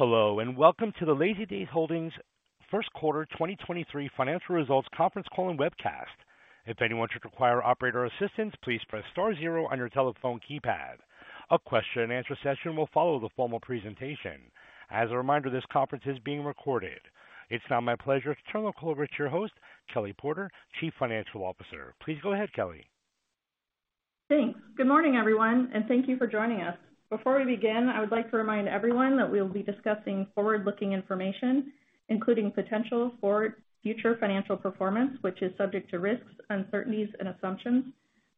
Hello, welcome to the Lazydays Holdings First Quarter 2023 Financial Results Conference Call and Webcast. If anyone should require operator assistance, please press star zero on your telephone keypad. A question-and-answer session will follow the formal presentation. As a reminder, this conference is being recorded. It's now my pleasure to turn the call over to your host, Kelly Porter, Chief Financial Officer. Please go ahead, Kelly. Thanks. Good morning, everyone, and thank you for joining us. Before we begin, I would like to remind everyone that we'll be discussing forward-looking information, including potential for future financial performance, which is subject to risks, uncertainties and assumptions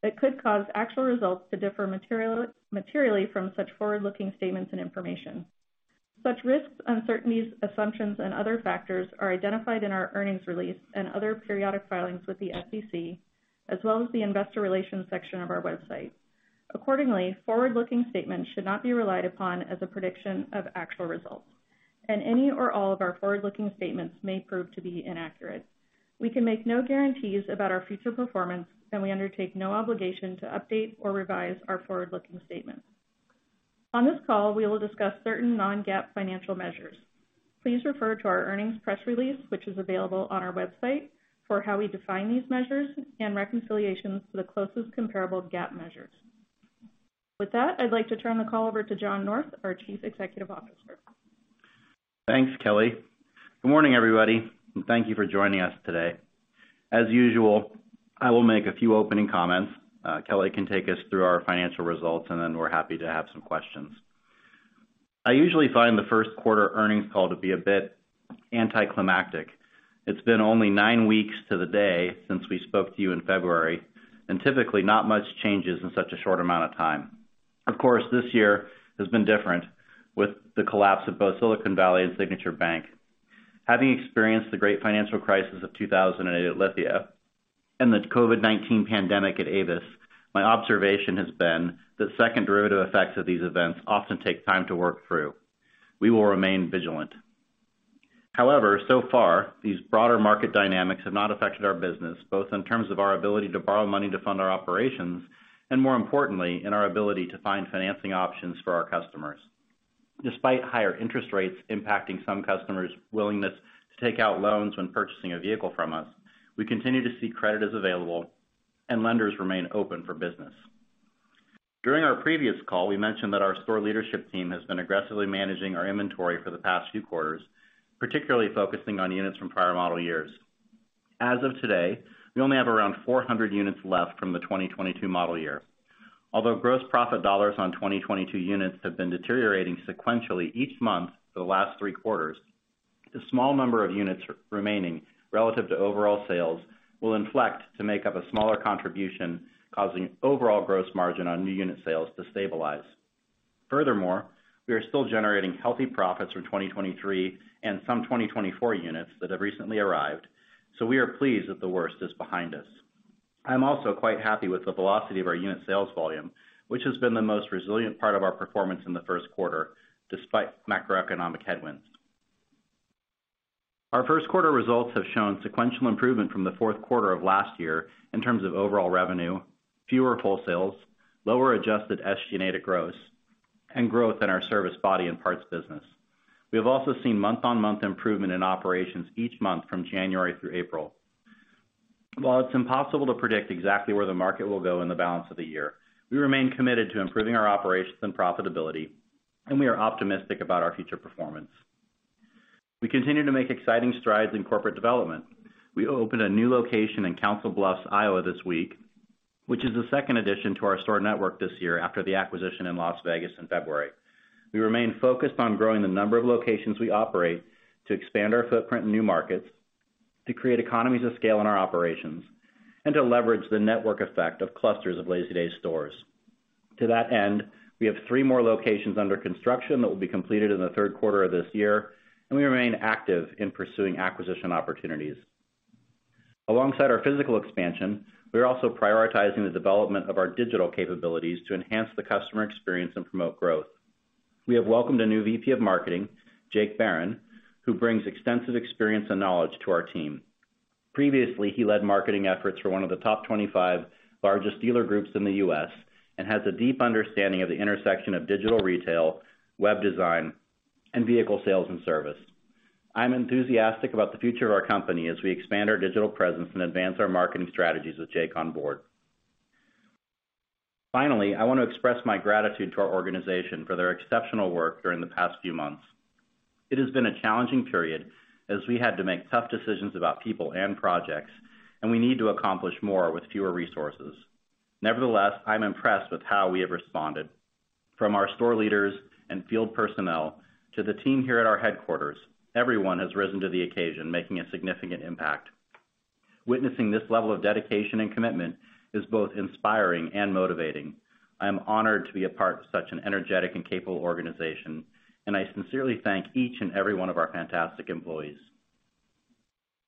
that could cause actual results to differ materially from such forward-looking statements and information. Such risks, uncertainties, assumptions and other factors are identified in our earnings release and other periodic filings with the SEC, as well as the investor relations section of our website. Accordingly, forward-looking statements should not be relied upon as a prediction of actual results, and any or all of our forward-looking statements may prove to be inaccurate. We can make no guarantees about our future performance, and we undertake no obligation to update or revise our forward-looking statements. On this call, we will discuss certain Non-GAAP financial measures. Please refer to our earnings press release, which is available on our website for how we define these measures and reconciliations to the closest comparable GAAP measures. With that, I'd like to turn the call over to John North, our Chief Executive Officer. Thanks, Kelly. Good morning, everybody, and thank you for joining us today. As usual, I will make a few opening comments, Kelly can take us through our financial results, and then we're happy to have some questions. I usually find the first quarter earnings call to be a bit anticlimactic. It's been only nine weeks to the day since we spoke to you in February, and typically, not much changes in such a short amount of time. Of course, this year has been different with the collapse of both Silicon Valley and Signature Bank. Having experienced the great financial crisis of 2008 at Lithia and the COVID-19 pandemic at Avis, my observation has been the second derivative effects of these events often take time to work through. We will remain vigilant. However, so far, these broader market dynamics have not affected our business, both in terms of our ability to borrow money to fund our operations, and more importantly, in our ability to find financing options for our customers. Despite higher interest rates impacting some customers' willingness to take out loans when purchasing a vehicle from us, we continue to see credit is available and lenders remain open for business. During our previous call, we mentioned that our store leadership team has been aggressively managing our inventory for the past few quarters, particularly focusing on units from prior model years. As of today, we only have around 400 units left from the 2022 model year. Although gross profit dollars on 2022 units have been deteriorating sequentially each month for the last three quarters, the small number of units remaining relative to overall sales will inflect to make up a smaller contribution, causing overall gross margin on new unit sales to stabilize. Furthermore, we are still generating healthy profits from 2023 and some 2024 units that have recently arrived, so we are pleased that the worst is behind us. I'm also quite happy with the velocity of our unit sales volume, which has been the most resilient part of our performance in the 1st quarter, despite macroeconomic headwinds. Our 1st quarter results have shown sequential improvement from the fourth quarter of last year in terms of overall revenue, fewer wholesales, lower adjusted SG&A to gross, and growth in our service body and parts business. We have also seen month-on-month improvement in operations each month from January through April. While it's impossible to predict exactly where the market will go in the balance of the year, we remain committed to improving our operations and profitability, and we are optimistic about our future performance. We continue to make exciting strides in corporate development. We opened a new location in Council Bluffs, Iowa, this week, which is the second addition to our store network this year after the acquisition in Las Vegas in February. We remain focused on growing the number of locations we operate to expand our footprint in new markets, to create economies of scale in our operations, and to leverage the network effect of clusters of Lazydays stores. To that end, we have three more locations under construction that will be completed in the third quarter of this year. We remain active in pursuing acquisition opportunities. Alongside our physical expansion, we are also prioritizing the development of our digital capabilities to enhance the customer experience and promote growth. We have welcomed a new VP of Marketing, Jake Barron, who brings extensive experience and knowledge to our team. Previously, he led marketing efforts for one of the top 25 largest dealer groups in the U.S. and has a deep understanding of the intersection of digital retail, web design, and vehicle sales and service. I'm enthusiastic about the future of our company as we expand our digital presence and advance our marketing strategies with Jake on board. I want to express my gratitude to our organization for their exceptional work during the past few months. It has been a challenging period as we had to make tough decisions about people and projects, and we need to accomplish more with fewer resources. Nevertheless, I'm impressed with how we have responded. From our store leaders and field personnel to the team here at our headquarters, everyone has risen to the occasion, making a significant impact. Witnessing this level of dedication and commitment is both inspiring and motivating. I am honored to be a part of such an energetic and capable organization, and I sincerely thank each and every one of our fantastic employees.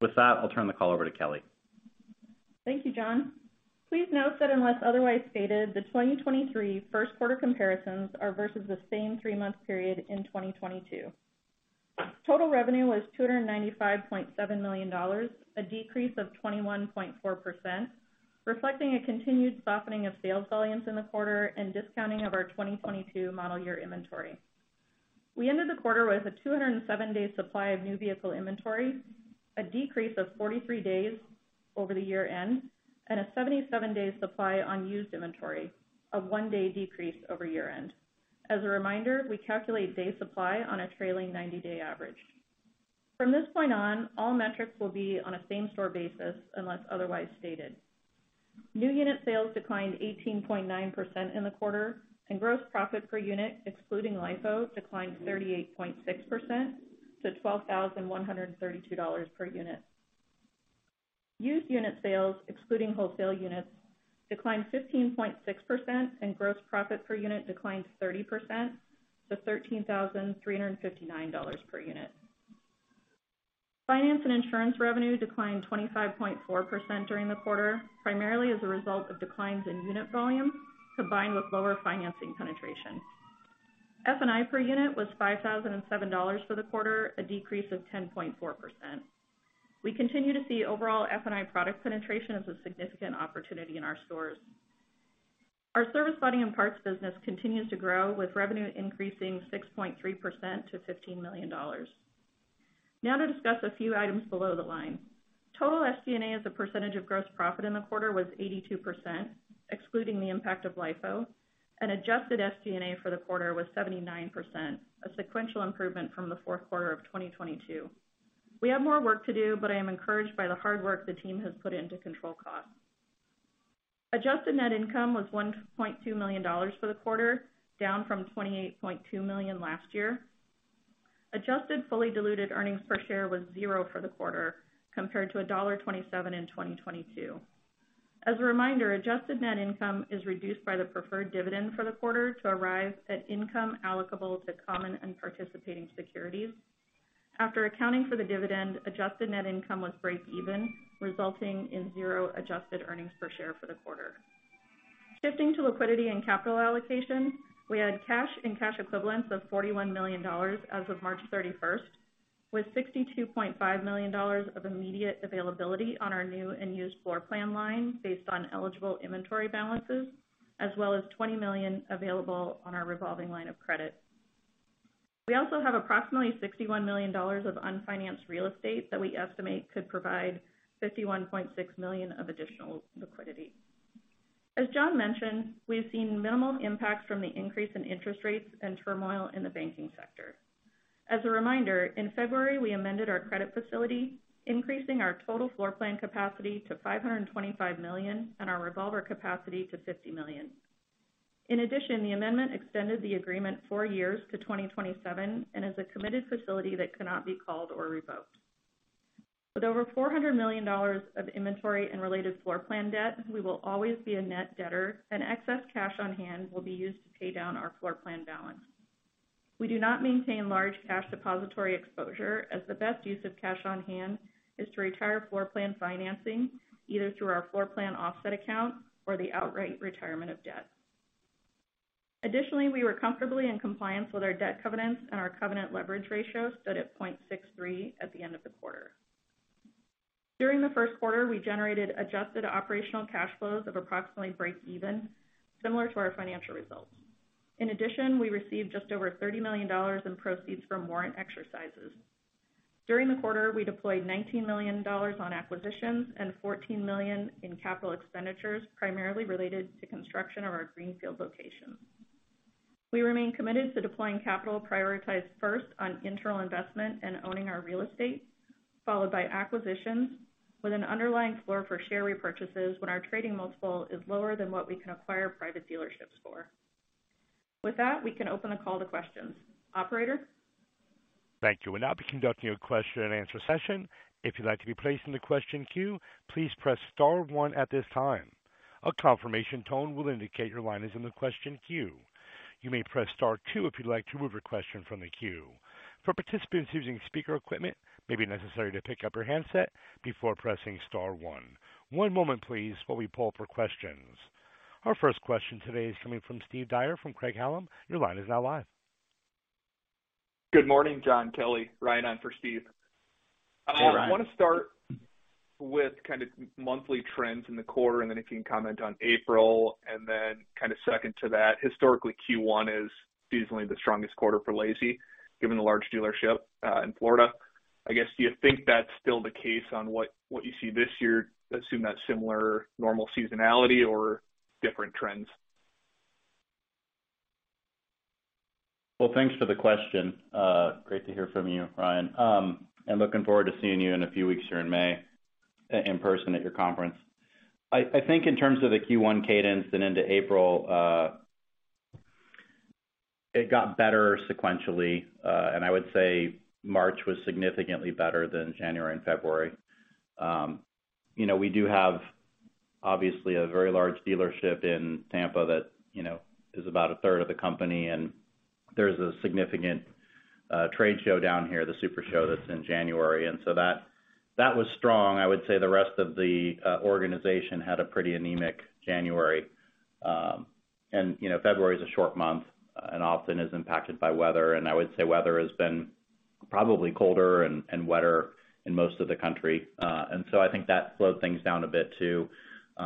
With that, I'll turn the call over to Kelly. Thank you, John. Please note that unless otherwise stated, the 2023 first quarter comparisons are versus the same three-month period in 2022. Total revenue was $295.7 million, a decrease of 21.4%, reflecting a continued softening of sales volumes in the quarter and discounting of our 2022 model year inventory. We ended the quarter with a 207 day supply of new vehicle inventory, a decrease of 43 days over the-year-end, and a 77 day supply on used inventory, a one day decrease over year-end. As a reminder, we calculate day supply on a trailing 90-day average. From this point on, all metrics will be on a same store basis unless otherwise stated. New unit sales declined 18.9% in the quarter and gross profit per unit excluding LIFO declined 38.6% to $12,132 per unit. Used unit sales excluding wholesale units declined 15.6% and gross profit per unit declined 30% to $13,359 per unit. Finance and insurance revenue declined 25.4% during the quarter, primarily as a result of declines in unit volume combined with lower financing penetration. F&I per unit was $5,007 for the quarter, a decrease of 10.4%. We continue to see overall F&I product penetration as a significant opportunity in our stores. Our service body and parts business continues to grow with revenue increasing 6.3% to $15 million. To discuss a few items below the line. Total SG&A as a percentage of gross profit in the quarter was 82%, excluding the impact of LIFO. Adjusted SG&A for the quarter was 79%, a sequential improvement from the fourth quarter of 2022. We have more work to do. I am encouraged by the hard work the team has put into control costs. Adjusted net income was $1.2 million for the quarter, down from $28.2 million last year. Adjusted fully diluted earnings per share was $0 for the quarter compared to $1.27 in 2022. As a reminder, adjusted net income is reduced by the preferred dividend for the quarter to arrive at income applicable to common and participating securities. After accounting for the dividend, adjusted net income was breakeven, resulting in 0 adjusted earnings per share for the quarter. Shifting to liquidity and capital allocation, we had cash and cash equivalents of $41 million as of March 31st, with $62.5 million of immediate availability on our new and used floor plan line based on eligible inventory balances, as well as $20 million available on our revolving line of credit. We also have approximately $61 million of unfinanced real estate that we estimate could provide $51.6 million of additional liquidity. As John mentioned, we've seen minimal impacts from the increase in interest rates and turmoil in the banking sector. As a reminder, in February, we amended our credit facility, increasing our total floor plan capacity to $525 million and our revolver capacity to $50 million. In addition, the amendment extended the agreement four years to 2027 and is a committed facility that cannot be called or revoked. With over $400 million of inventory and related floor plan debt, we will always be a net debtor and excess cash on hand will be used to pay down our floor plan balance. We do not maintain large cash depository exposure as the best use of cash on hand is to retire floor plan financing, either through our floor plan offset account or the outright retirement of debt. We were comfortably in compliance with our debt covenants and our covenant leverage ratio stood at 0.63x at the end of the quarter. During the first quarter, we generated adjusted operational cash flows of approximately breakeven, similar to our financial results. We received just over $30 million in proceeds from warrant exercises. During the quarter, we deployed $19 million on acquisitions and $14 million in capital expenditures primarily related to construction of our greenfield locations. We remain committed to deploying capital prioritized first on internal investment and owning our real estate, followed by acquisitions with an underlying floor for share repurchases when our trading multiple is lower than what we can acquire private dealerships for. We can open the call to questions. Operator? Thank you. We'll now be conducting a question and answer session. If you'd like to be placed in the question queue, please press star one at this time. A confirmation tone will indicate your line is in the question queue. You may press star two if you'd like to remove your question from the queue. For participants using speaker equipment, it may be necessary to pick up your handset before pressing star one. One moment please while we pull for questions. Our first question today is coming from Steve Dyer from Craig-Hallum. Your line is now live. Good morning, John, Kelly, Ryan on for Steve. Hi, Ryan. I want to start with kind of monthly trends in the quarter and then if you can comment on April and then kind of second to that, historically, Q1 is seasonally the strongest quarter for Lazydays given the large dealership in Florida. I guess, do you think that's still the case on what you see this year, assume that similar normal seasonality or different trends? Well, thanks for the question. Great to hear from you, Ryan. I'm looking forward to seeing you in a few weeks here in May in person at your conference. I think in terms of the Q1 cadence and into April, it got better sequentially, and I would say March was significantly better than January and February. You know, we do have obviously a very large dealership in Tampa that, you know, is about a third of the company, and there's a significant trade show down here, the Super Show, that's in January. That. That was strong. I would say the rest of the organization had a pretty anemic January. You know, February is a short month, and often is impacted by weather. I would say weather has been probably colder and wetter in most of the country. I think that slowed things down a bit too.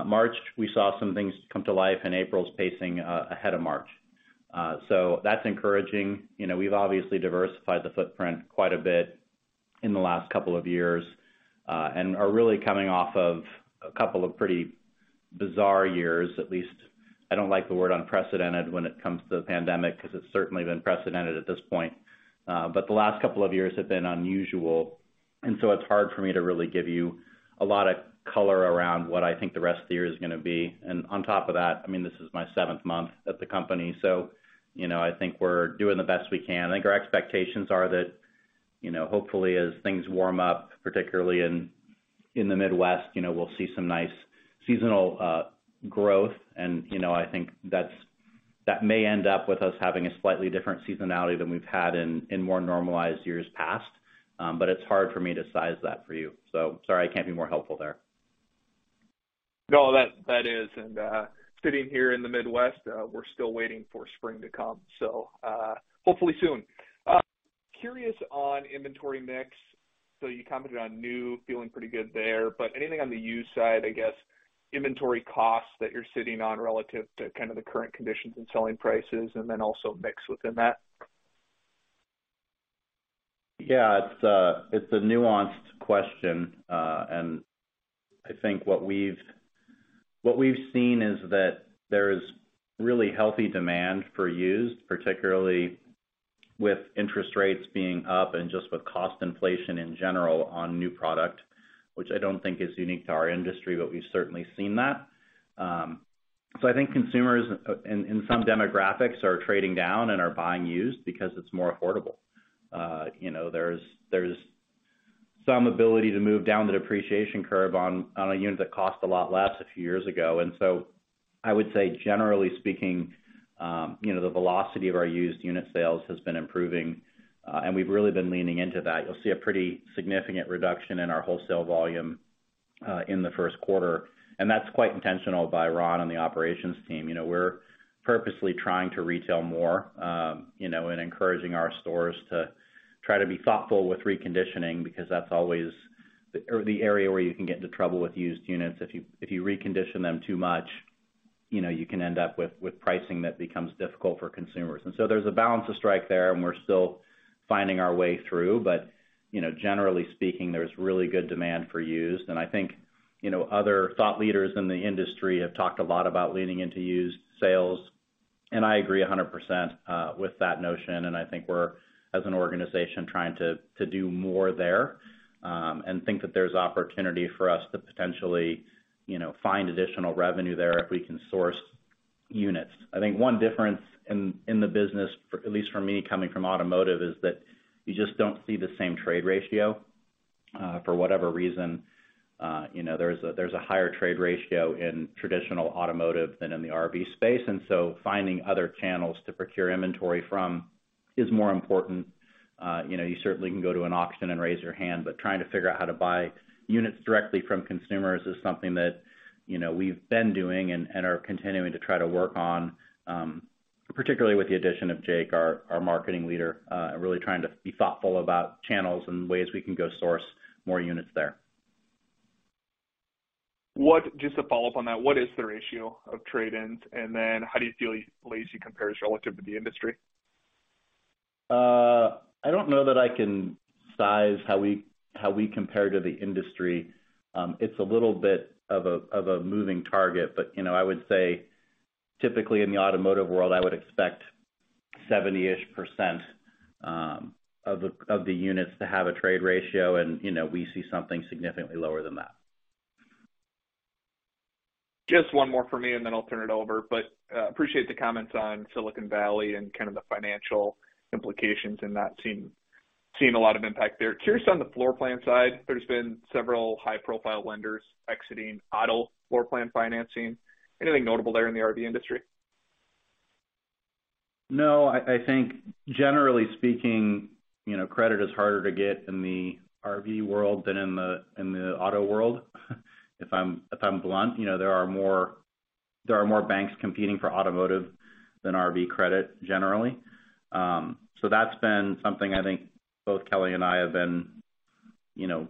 March, we saw some things come to life, and April's pacing ahead of March. That's encouraging. You know, we've obviously diversified the footprint quite a bit in the last couple of years, and are really coming off of a couple of pretty bizarre years at least. I don't like the word unprecedented when it comes to the pandemic, 'cause it's certainly been precedented at this point. The last couple of years have been unusual, and so it's hard for me to really give you a lot of color around what I think the rest of the year is gonna be. On top of that, I mean, this is my seventh month at the company, so, you know, I think we're doing the best we can. I think our expectations are that, you know, hopefully, as things warm up, particularly in the Midwest, you know, we'll see some nice seasonal growth. You know, I think that may end up with us having a slightly different seasonality than we've had in more normalized years past. It's hard for me to size that for you. Sorry I can't be more helpful there. No, that is. Sitting here in the Midwest, we're still waiting for spring to come. Hopefully soon. Curious on inventory mix. You commented on new, feeling pretty good there. Anything on the used side, I guess, inventory costs that you're sitting on relative to kind of the current conditions and selling prices, and then also mix within that? Yeah. It's a, it's a nuanced question. I think what we've, what we've seen is that there's really healthy demand for used, particularly with interest rates being up and just with cost inflation in general on new product, which I don't think is unique to our industry, but we've certainly seen that. I think consumers in some demographics are trading down and are buying used because it's more affordable. You know, there's some ability to move down the depreciation curve on a unit that cost a lot less a few years ago. I would say, generally speaking, you know, the velocity of our used unit sales has been improving, and we've really been leaning into that. You'll see a pretty significant reduction in our wholesale volume in the first quarter, and that's quite intentional by Ron and the operations team. You know, we're purposely trying to retail more, you know, and encouraging our stores to try to be thoughtful with reconditioning because that's always the area where you can get into trouble with used units. If you recondition them too much, you know, you can end up with pricing that becomes difficult for consumers. There's a balance to strike there, and we're still finding our way through. You know, generally speaking, there's really good demand for used. I think, you know, other thought leaders in the industry have talked a lot about leaning into used sales, and I agree 100% with that notion. I think we're, as an organization, trying to do more there, and think that there's opportunity for us to potentially, you know, find additional revenue there if we can source units. I think one difference in the business, for at least for me, coming from automotive, is that you just don't see the same trade ratio. For whatever reason, you know, there's a higher trade ratio in traditional automotive than in the RV space. Finding other channels to procure inventory from is more important. You know, you certainly can go to an auction and raise your hand, but trying to figure out how to buy units directly from consumers is something that, you know, we've been doing and are continuing to try to work on, particularly with the addition of Jake, our marketing leader, and really trying to be thoughtful about channels and ways we can go source more units there. Just to follow up on that, what is the ratio of trade-ins? Then how do you feel Lazydays compares relative to the industry? I don't know that I can size how we compare to the industry. It's a little bit of a moving target. You know, I would say typically in the automotive world, I would expect 70%-ish of the units to have a trade ratio. You know, we see something significantly lower than that. Just one more for me, and then I'll turn it over. Appreciate the comments on Silicon Valley and kind of the financial implications, and not seeing a lot of impact there. Curious on the floor plan side. There's been several high-profile lenders exiting idle floor plan financing. Anything notable there in the RV industry? No. I think generally speaking, you know, credit is harder to get in the RV world than in the auto world. If I'm blunt, you know, there are more banks competing for automotive than RV credit generally. That's been something I think both Kelly and I have been, you know,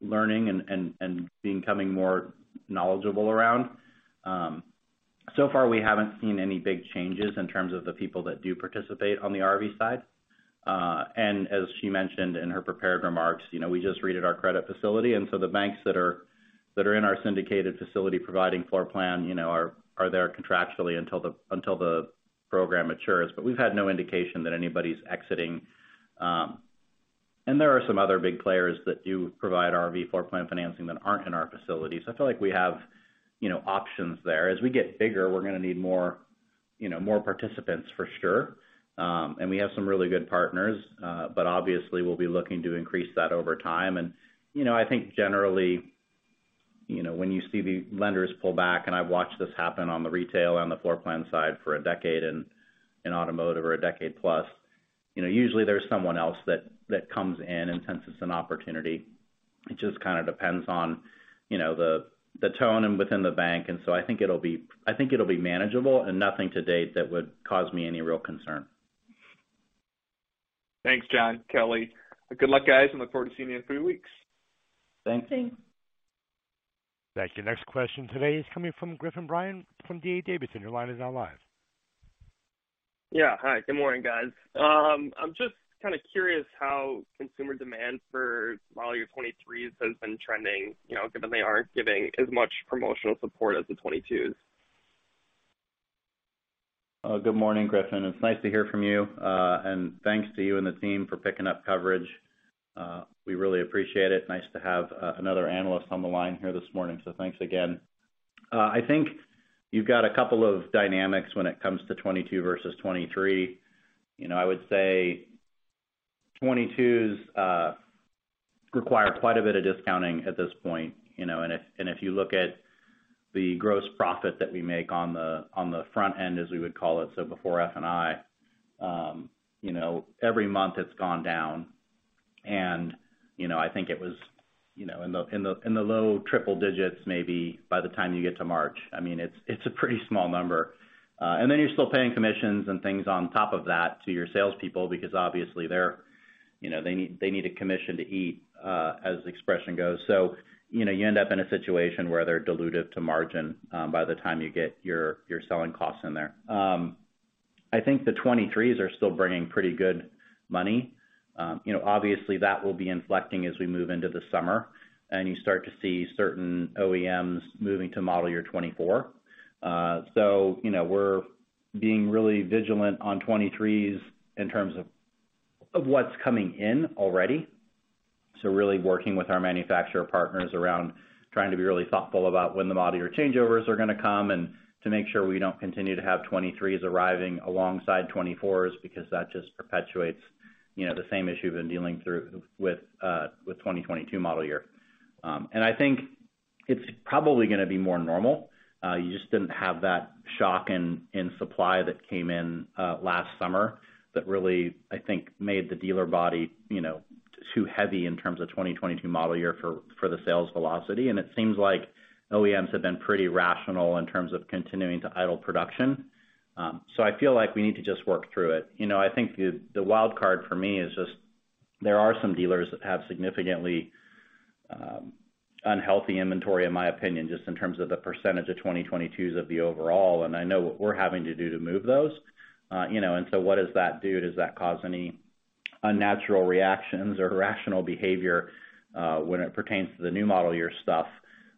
learning and becoming more knowledgeable around. Far, we haven't seen any big changes in terms of the people that do participate on the RV side. As she mentioned in her prepared remarks, you know, we just redid our credit facility, and so the banks that are in our syndicated facility providing floor plan, you know, are there contractually until the program matures. We've had no indication that anybody's exiting. There are some other big players that do provide RV floor plan financing that aren't in our facilities. I feel like we have, you know, options there. As we get bigger, we're gonna need more, you know, more participants for sure. We have some really good partners. Obviously, we'll be looking to increase that over time. You know, I think generally, you know, when you see the lenders pull back, and I've watched this happen on the retail and the floor plan side for a decade in automotive or a decade plus, you know, usually there's someone else that comes in and senses an opportunity. It just kinda depends on, you know, the tone and within the bank. I think it'll be manageable and nothing to date that would cause me any real concern. Thanks, John, Kelly. Good luck, guys, and look forward to seeing you in three weeks. Thanks. Thanks. Thank you. Next question today is coming from Griffin Bryan from D.A. Davidson. Your line is now live. Hi, good morning, guys. I'm just kinda curious how consumer demand for model year '2023s has been trending, you know, given they aren't giving as much promotional support as the '2022s. Good morning, Griffin. It's nice to hear from you. Thanks to you and the team for picking up coverage. We really appreciate it. Nice to have another analyst on the line here this morning. Thanks again. I think you've got a couple of dynamics when it comes to 2022 versus 2023. You know, I would say 2022's require quite a bit of discounting at this point, you know. If, and if you look at the gross profit that we make on the front end, as we would call it, so before F&I, you know, every month it's gone down. You know, I think it was, you know, in the low triple digits, maybe by the time you get to March. I mean, it's a pretty small number. Then you're still paying commissions and things on top of that to your salespeople because obviously they're, you know, they need a commission to eat, as the expression goes. You know, you end up in a situation where they're dilutive to margin, by the time you get your selling costs in there. I think the 2023s are still bringing pretty good money. You know, obviously that will be inflecting as we move into the summer and you start to see certain OEMs moving to model year 2024. You know, we're being really vigilant on 2023s in terms of what's coming in already. Really working with our manufacturer partners around trying to be really thoughtful about when the model year changeovers are gonna come and to make sure we don't continue to have '2023s arriving alongside '2024s because that just perpetuates, you know, the same issue we've been dealing through with 2022 model year. I think it's probably gonna be more normal. You just didn't have that shock in supply that came in last summer that really, I think, made the dealer body, you know, too heavy in terms of 2022 model year for the sales velocity. It seems like OEMs have been pretty rational in terms of continuing to idle production. I feel like we need to just work through it. You know, I think the wild card for me is just there are some dealers that have significantly unhealthy inventory, in my opinion, just in terms of the percentage of 2022s of the overall. I know what we're having to do to move those. You know, what does that do? Does that cause any unnatural reactions or rational behavior when it pertains to the new model year stuff?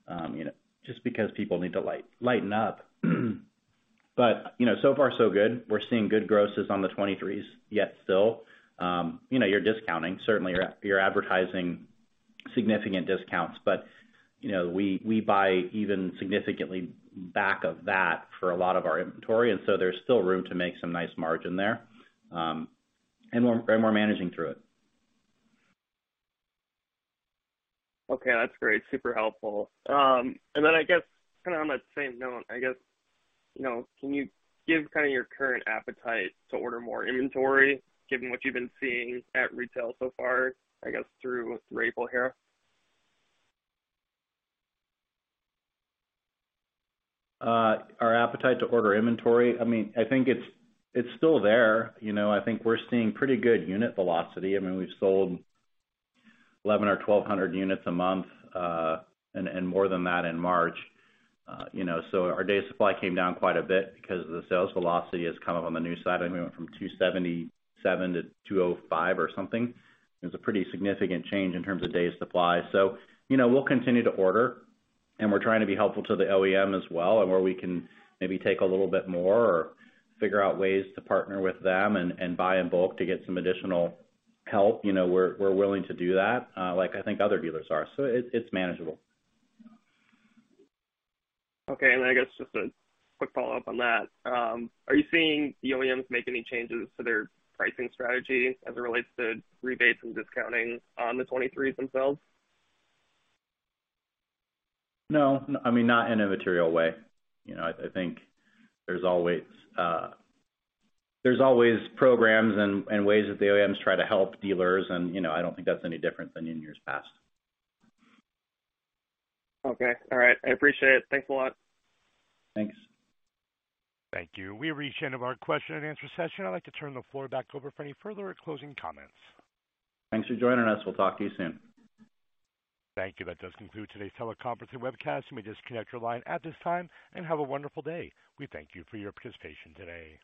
You know, just because people need to lighten up. You know, so far so good. We're seeing good grosses on the 23s yet still. You know, you're discounting. Certainly you're advertising significant discounts. You know, we buy even significantly back of that for a lot of our inventory. There's still room to make some nice margin there. We're managing through it. Okay, that's great. Super helpful. I guess kinda on that same note, I guess, you know, can you give kinda your current appetite to order more inventory given what you've been seeing at retail so far, I guess through April here? Our appetite to order inventory, I mean, I think it's still there. You know, I think we're seeing pretty good unit velocity. I mean, we've sold 1,100 units or 1,200 units a month, and more than that in March. You know, our days supply came down quite a bit because the sales velocity is kind of on the new side. I mean, we went from 277 days supply-205 days supply or something. It was a pretty significant change in terms of days supply. You know, we'll continue to order, and we're trying to be helpful to the OEM as well, and where we can maybe take a little bit more or figure out ways to partner with them and buy in bulk to get some additional help. You know, we're willing to do that, like I think other dealers are. It's manageable. Okay. I guess just a quick follow-up on that. Are you seeing the OEMs make any changes to their pricing strategy as it relates to rebates and discounting on the 2023s themselves? No, I mean, not in a material way. You know, I think there's always programs and ways that the OEMs try to help dealers and, you know, I don't think that's any different than in years past. Okay. All right. I appreciate it. Thanks a lot. Thanks. Thank you. We've reached the end of our question and answer session. I'd like to turn the floor back over for any further closing comments. Thanks for joining us. We'll talk to you soon. Thank you. That does conclude today's teleconference and webcast. You may disconnect your line at this time and have a wonderful day. We thank you for your participation today.